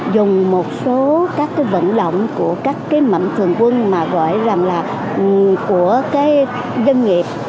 dùng một số các cái vận động của các cái mạnh thường quân mà gọi rằng là của cái doanh nghiệp